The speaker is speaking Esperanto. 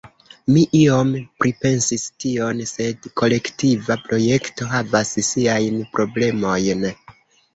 Mi iom pripensis tion, sed kolektiva projekto havas siajn problemojn.